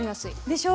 でしょ